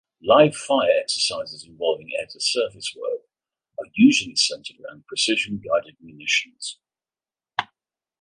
Live fire exercises involving air-to-surface work are usually centered around precision-guided munitions.